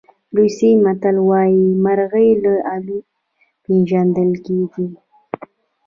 روسي متل وایي مرغۍ له الوت پېژندل کېږي.